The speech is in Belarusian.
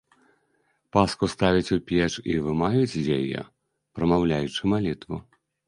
Паску ставяць у печ і вымаюць з яе, прамаўляючы малітву.